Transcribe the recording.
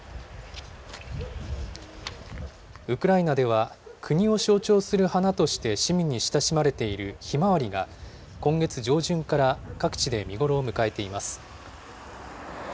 ウクライナでは、国を象徴する花として市民に親しまれているひまわりが、今月上旬から各地で見頃を迎えています。